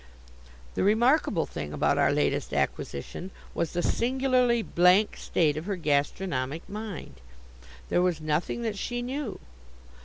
The remarkable thing about our latest acquisition was the singularly blank state of her gastronomic mind. There was nothing that she knew.